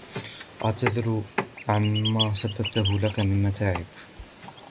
أعتذر عن ما سببته لك من متاعب.